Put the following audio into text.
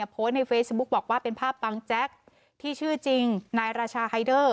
โพสต์ในเฟซบุ๊กบอกว่าเป็นภาพบางแจ๊กที่ชื่อจริงนายราชาไฮเดอร์